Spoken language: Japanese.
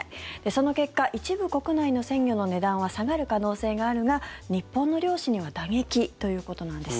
その結果一部国内の鮮魚の値段は下がる可能性があるが日本の漁師には打撃ということなんです。